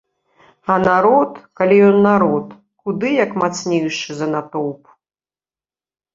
А народ, калі ён народ, куды як мацнейшы за натоўп.